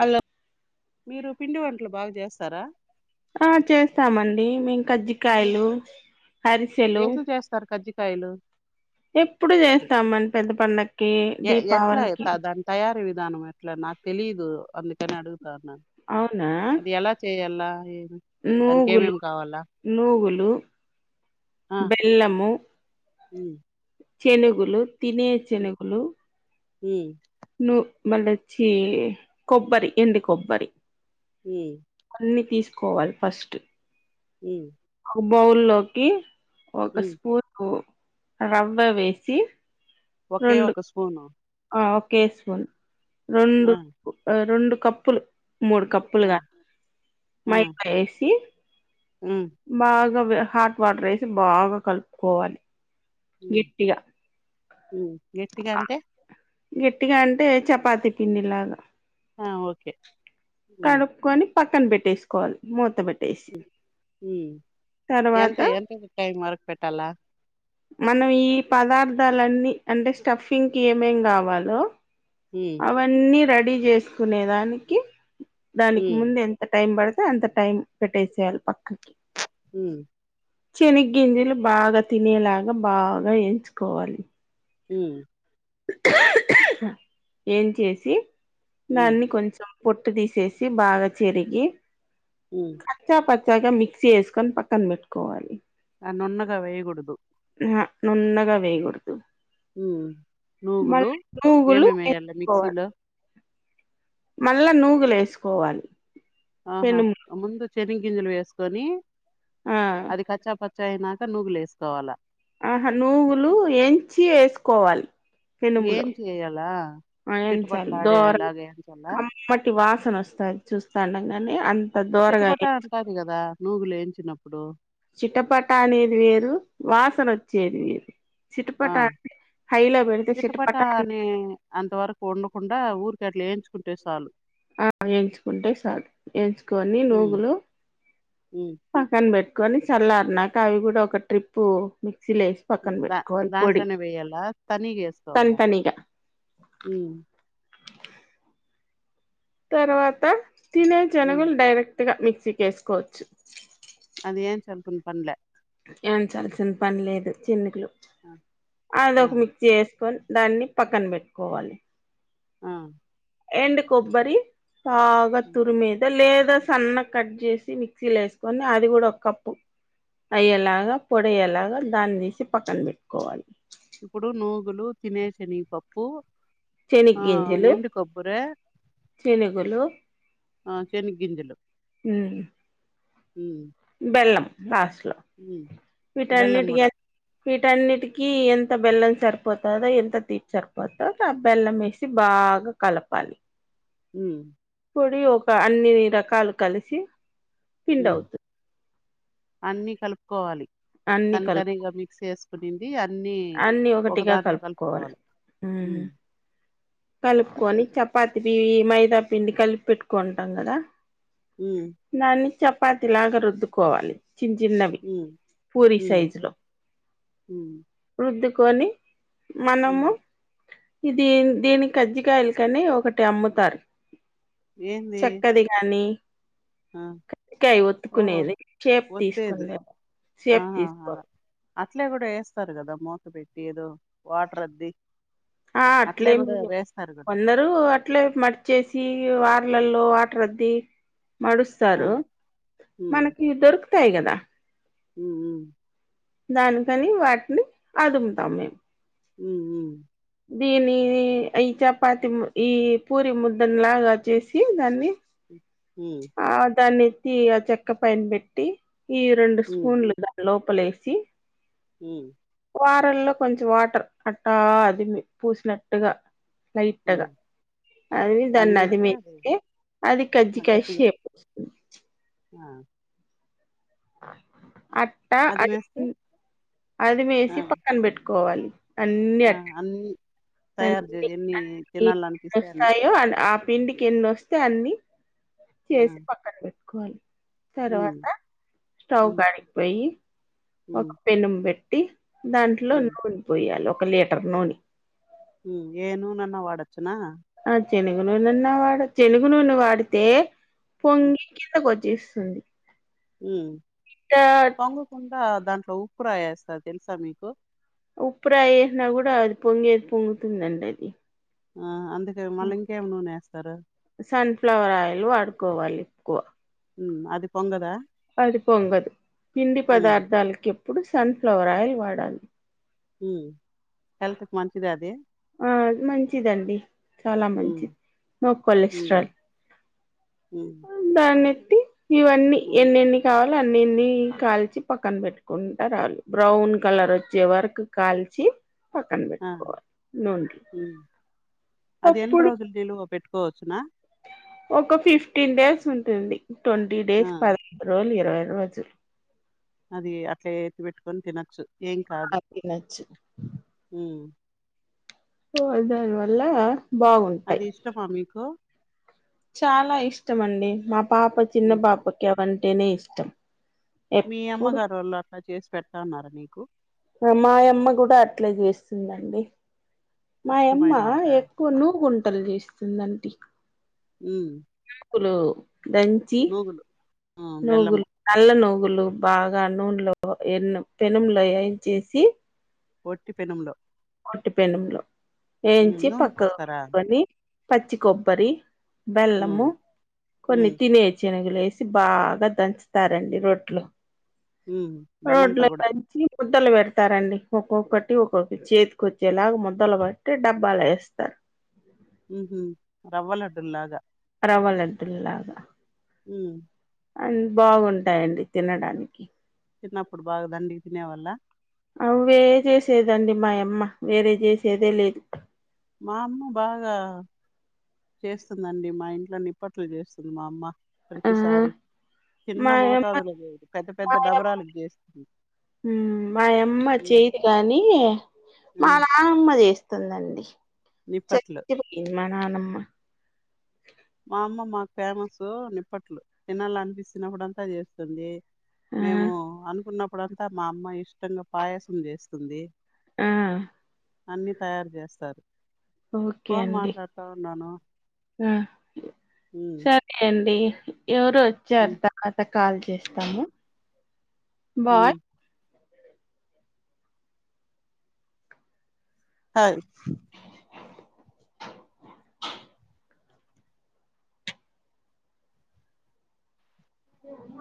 Hello మీరు పిండి వంటలు బాగా చేస్తారా ఆ [inaudible] మీ కజ్జికాయలు అరిసెలు కాయిలు ఎప్పుడూ చేస్తాం మని పెద్ద పండ ఎ ఎట్ల ఐ త దాని తయారీ వి ధానం ఎట్లా నాకు తెలీదు అందుకని అడుగు అవునా చేయాలా ఏమి దానికి నూగులు ఏమేమి కావాలా నూగులు బెల్లము ఉ చేనుగులు తినే చిణగలు హ ను మళ్ళ వచ్చి కొబ్బరి ఎండి కొబ్బరి ఈ అన్ని తీసుకోవాలి ఫస్ట్ ఉ బౌల్ లోకి ఓ ఉమ్ కస్పుూ రబ వేసి ఒకే రెండు ఒక స్పూను ఆ ఓకేసున్ రెం ఆ రెం కప్పులు మూడు ఆ కప్పులుగా ఆ మైకా వేసి ఉమ్ బాగా ఇంకా హాట్ వాటర్ వేసి బాగా కలుపుకోవాలి గట్టిగా ఉ గట్టిగా అంటె గట్టిగా అంటే చపాతి పిండి లాగా ఆ ఓకే ఉమ్ కడుకొని పక్కన పెట్టేసుకోవాలి మూతబెట్టి హుమ్ ఎంత తర్వాత ఎంత టైం వరకు మరక పెట్టాలా మనం ఈ పదార్థాలన్నీ అంటే స్టఫింగ్కి ఏమేం కావాలో ఉమ్ అవన్నీ రెడ్ డీ చేసుకునే దానికి దానికి ఉమ్ ముందు ఎంత టైం పడు తే అంత టైం పెట్టేసేయాలి పక్కకి మ్మ్ చెనిగ్గింజలు బాగా తినేలాగా బాగా ఏయించుకోవాలి ఉమ్ ఏం చేసి ఉమ్ దాన్ని కొంచెం పొట్టు తీసేసి బాగా చెరిగి మ్మ్ [unintelligible] మిక్సీ చేసుకొని పక్కన పెట్టుకోవాలి ఆ నున్నగా వెయ్యకూడదు ఆ నున్నగా వెయ్ గూడదు మ్మ్ నూగులు నూగులు ఏమేమెయ్యాలి వేసుకోవాలి మిక్సీలో మళ్ళా నూగులేసుకోవాలి ఆహా ముందు చెనిగ్గింజలు వేసుకొని ఆ అది కచ్చా పచ్చా అయినా తే నూగులేసుకోవాల కోవాలి ఏం చేయ్యాల ఎంచాలి చిటపట్లాడేలాగ ఏయించాలా తొనొస్తాది చూస్తా ఉండంగానే అం చెటపట అంటాది కదా నుగులు ఏయించినప్పుడు చిటపట అనేది వేరు వాసనొచ్చేది వేరు ఆ చిటపట అంటే హైలో పెడితే చిటపట అని అనే అంతవరకు ఉండకుండా ఊరు [unintelligible] అట్లేంచు ఆ ఏంచుకుంటే చాలు ఏంచుకొని ఉమ్ నూగులు ఉమ్ పక్కన పెట్ కోని చల్లారినాక అవి కూడా ఒక ట్రిప్పు మిక్సీలో వేసి పక్కన దా పెట్టుకోవాలి పొడి దాంట్లోనే వెయ్యాలా తనీగ ఏసుకోవాలా తనితనిగా మ్మ్ తర్వాత తినే ఉమ్ చనగలు డైరక్ త్తగా మిక్సీకేసుకోవచ్చు అది ఏంచాల్సిన పనిలే ఏం చాల [unintelligible] పనిలేదు చెనికులు ఆ ఆ అదొక మిక్సీ ఏసుకొని దాన్ని పక్కన పెట్టుకోవాలి ఆ ఎండ్ కొబ్బరి బాగా ఉమ్. తురుమేద లేద్ [unintelligible] సన్నగా కట్ చేసి మిక్సీలో వేసుకొని, అది కూడా ఒక కప్పు అయ్యేలాగా పొడయేలాగా దాన్ని తీసి పక్కన పెట్టుకోవాలి. ఇప్పుడు నూగులు తినే శనగ పప్పు శనిక్ గింజలు చెనుగులు ఆ శనిక్ గింజలు ఉమ్ హు ఉ హ్మ్ బెల్లం లాస్ట్ ఇట్ల బెల్లం వీటన్నింటికి ఎ కూడా వీటన్నిటికీ ఎంత బెల్లం సరిపోతుందో ఎంత తీపి సరిపోతుందో ఆ బెల్లం వేసి బాగా కలపాలి హుమ్ పొడి ఒక అన్నిరీ రకాలు కలిసి ఉమ్ పిండవుతు అన్ని కలుపుకోవాలి అన్ని తని కలుపు తనిగా మిక్స్ చేస్ కొది వీ అన్ని అన్ని ఒక ఒకటిగా దాంట్లో కలుపుకోవాలి ఉమ్ హ్మ్ కలుపుకొని చపాత థీ మైదా పిండి కలిపి పెట్టుకుంటాం కదా ఉమ్ నన్ని చప్ చపాతిలాగ రుద్దుకోవాలి చిన్ చిన్నవి ఉమ్ పూరి ఉమ్ సైజ్ లో ఉమ్ వృద్ద కొని ఉమ్ మనము ఇది దిని కజ్జికాయలుకని ఒకటి అమ్ముతరు ఏంది చక్కది గానీ ఆ కజ్ కాయ ఓహో ఒత్తుకునేది షేప్ ఒత్తేది తీసుకుంది సేపు ఆహా అలా తీసుకోవాలి అట్లే కూడ ఏస్తారు కదా మూత పెట్టి ఏదో వాటర్ అద్ది ఆ అట్లే అట్లేమి కూడా లే వేస్తారు కదా కొందరు అట్లే మర్చేసి వ వాట్లల్లో వాటర్ అద్ది ఆ మడుస్తారు ఉమ్ మనకి దొరుక టాయి కదా ఉమ్ మ్మ్ దానికని వాటిని అదుముతాము ఉమ్ మ్మ్ దీనిని ఈ చపాతి ఈ పూరి ముద్దని లాగా చేసి దాన్ని ఉమ్ ఆ దాన్ని తీ ఆ చెక్క పైన పెట్టి ఈ రెండు హ్మ్ స్పూన్లు దులో పలేసి హ్మ్ వారల్లో కొంచెం వాటర్ అట్టా అదిమి పూసినట్టుగా హ్మ్ లైట్గా అది దాన్ని వేస్తే అది అదిమికే అది ఆ, కజ్జికాయ గట్టిగా షేపు వస్తుంది ఆ ఆ అట్టా అది ఆ అదిమివేసి పక్కన పెట్టుకో కోవాలి ఆ అన్నీ తయారు చే అన్ని ఎన్ని అన్ని ఎన్ని తినాలనిపిస్తే అన్ని వస్తాయో అన్- ఆ పిండికి ఎన్ని వస్తె అన్ని ఆ చేసి పక్కన పెట్టు కోవాలి హ్మ్ తర్వాత స్టవ్ హ్మ్ కాడికిపోయి ఒక హ్మ్ పెనుం పెట్ దాంట్లో హ్మ్ నూనె పోయాలి ఒక్ ఒక లీటర్ నూని ఏను నన్న వాడొచ్చునా ఆ చెనుగు నూనెన్నా వాడచ్ చెనుగు నూనె వాడితే పొంగి ఎంత కొచ్చ చేస్తుంది ఉ పొంగుకుంటద్ దాంట్లో ఉప్పు రాయి వేస్తారు తెలుసా మీకు ఉప్పురాయేసిన కూడా అది పొంగేది పొంగుతుందండి అది ఆ అన్ సన్ఫ్లవర్ ఆయల్ వాడు కోవాలి ఎక్కువ ఉమ్ అది పొంగదా అది పొంగదు పిండి హ్మ్ పదార్థాల క ఇప్పుడు సన్ఫ్లవర్ ఆయిల్ వాడాలి. ఉమ్ హెల్త్ కి మంచిదా అది మంచిది అండి చాలా హ్మ్ మంచిది నో హ్మ్ కొలెస్ట్రాల్ హ్మ్ దాన్నీ ఇవన్నీ హ్మ్ ఎన్ని ఎన్ని కా ళు అన్నిన్ని కాల్చి పక్కన పెట్టుకుంటా రావాలి బ్రౌన్ కలర్ వచ్చే వరకు కాల్చి పక్కన ఆ పెట్టుకోవాలి నూన్ కి హ్మ్ అప్పుడు కోచ్చునా ఒక ఫిఫ్టీన్ డేస్ ఉంటుంది ట్వంటీ డేస్ ఆ ఫర్ రోల్ చైరు వజు అది అట్లే ఎత్తు పెట్కొన్ తినత్ చ్చు ఏం కాదు ఆ తినొచ్చు హు ఓ అదారు వల్ల అది బాగుంటాయి ఇష్టమా మీకు చాలా ఇష్టం అండి మా పాప చిన్న హ్మ్. పాపక్కేవన్ నేనే ఇష్టం మీ ఎప్పుడు అమ్మగారోళ్ళు అట్లా చేసి పెట్ ఇస్తా అన్నారా నీకు మాయమ్మ కూడా అట్లే చేస్తుందండి మాయమ్మ ఇష్టమైన వంట? ఎక్కువ నుూ గుంటలు చేస్తుందంటీ ఉమ్ దంచి నోగుల్ బెల్లము. నల్ల నో లు బాగా నూనెలో ఎన్నమ్ పెనంలో ఎయిన్ చేేసి ఒట్టి పెనుంలో ఓట్టి పెనుంలో ఏయించి నూనె పక్కన పోస్తారా? పెట్టుకొని పచ్చి కొబ్బరి హ్మ్. బెల్లము కొన్ని హ్మ్. తినే శనగలు బాగా దంచుతారండి రోడ్లో హుమ్ బెల్లం తో కూడా ముద్దలు పెడతారండి ఒక్కొక్కటి ఒక్కొక్క చేతికొచ్చేలాగా ముద్దలు పట్టి డబ్బలా వేస్తారు హు హుం రవ్వ లడ్డుల్ లాగా రవ లడ్డుల్లాగా హ్మ్. అవి బాగుంటాయండి తినడానికి చిన్నప్పుడు బాగా దండి తినేవల్ల అవే చేసేదండి మాయమ్మ వేరే చేసేదే లేదు మా అమ్మ బాగా చేస్తుందండి మా ఇంట్ ఇట్లా నిప్పట్లు చేస్తుంది మా అమ్మ ఆ ప్రతిసారి చిన్న మాయమ్మ మోతాదులో చేయదు పెద్ద పెద్ద మాయమ్మ డబరలు చేస్తుంది ఉమ్, మాయమ్మ హ్మ్ చేయదు గాని ఆ స్తుందండి నిప్పట్లు [unintelligible] నానమ్మ మా అమ్మ మాకు ఫేమస్ నిప్పట్లు తినాలి అనిపిస్తునప్పుడు చేస్తుంది ఆ మేము అనుకున్న అప్పుడంతా మా అమ్మ ఇష్టంగా పాయసం చేస్తుంది ఆ అన్ని తయారు చేస్తారు ఓకే ఫోన్ అండి మాట్లాడుతా ఉన్నాను ఆ ఉమ్, సరే అండి ఎవరు ఉమ్, వచ్చారుత కాల్ చేస్తాము హ బాయ్ హయ